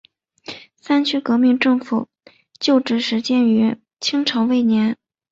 三区革命政府旧址始建于清朝末年。